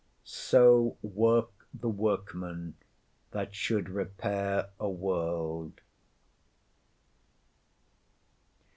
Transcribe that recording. So work the workmen that should repair a world!